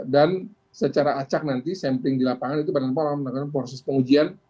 dan secara acak nanti sampling di lapangan itu badan pom akan menangani proses pengujian